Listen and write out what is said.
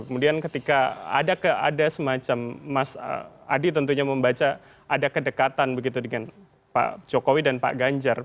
kemudian ketika ada semacam mas adi tentunya membaca ada kedekatan begitu dengan pak jokowi dan pak ganjar